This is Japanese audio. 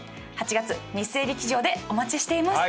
８月日生劇場でお待ちしています。